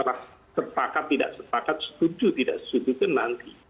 karena setakat tidak setakat setuju tidak setuju itu nanti